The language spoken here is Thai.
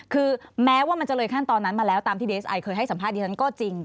คือแม้ว่ามันจะเลยขั้นตอนนั้นมาแล้วตามที่ดีเอสไอเคยให้สัมภาษณ์ก็จริง